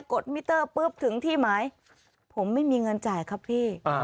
ดมิเตอร์ปุ๊บถึงที่หมายผมไม่มีเงินจ่ายครับพี่